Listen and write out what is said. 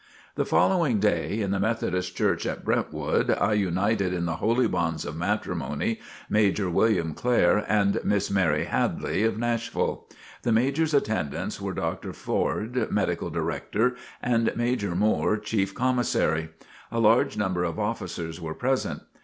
The following day, in the Methodist Church at Brentwood, I united in the holy bonds of matrimony, Major William Clare and Miss Mary Hadley, of Nashville. The Major's attendants were Dr. Foard, Medical Director, and Major Moore, Chief Commissary. A large number of officers were present.